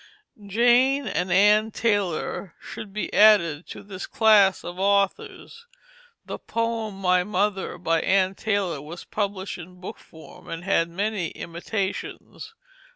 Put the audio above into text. Jane and Ann Taylor should be added to this class of authors. The poem, My Mother, by Ann Taylor, was published in book form, and had many imitations.